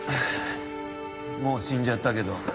もう死んじゃったけど。